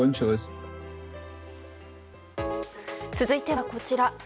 続いてはこちら。